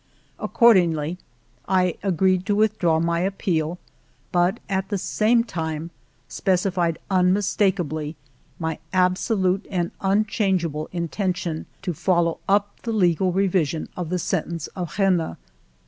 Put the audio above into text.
Accord ingly, I agreed to withdraw my appeal, but at the same time specified unmistakably my absolute and unchangeable intention to follow up the legal revision of the sentence of Rennes.